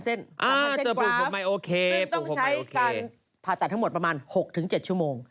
๓๐๐๐เส้นกราฟต้องใช้การผ่าตัดทั้งหมดประมาณ๖๗ชั่วโมง